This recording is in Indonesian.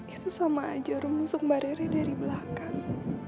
itu sama aja rum musuh mbak rere dari belakang